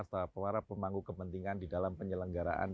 setelah pengarap pemangku kepentingan di dalam penyelenggaraan